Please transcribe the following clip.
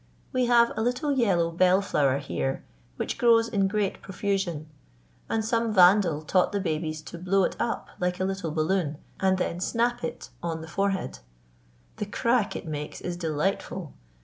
We have a little yellow bellflower here which grows in great profusion; and some vandal taught the babies to blow it up like a little balloon, and then snap it on the forehead. The crack it makes is delightful.